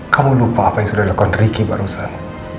kamu lupa apa yang sudah dilakukan ricky barusan